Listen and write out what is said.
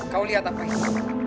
kau lihat apa ini